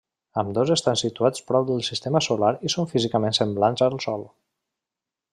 Ambdós estan situats prop del sistema solar i són físicament semblants al sol.